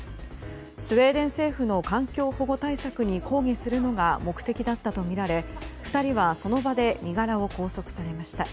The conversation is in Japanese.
スウェーデン政府の環境保護対策に抗議するのが目的だったとみられ２人はその場で身柄を拘束されました。